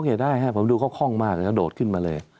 ค่องมากแหละครับที่ดูมันค่องมากเขาโดดขึ้นมาเลย